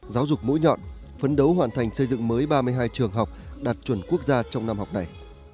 giáo dục mũi nhọn phấn đấu hoàn thành xây dựng mới ba mươi hai trường học đạt chuẩn quốc gia trong năm học này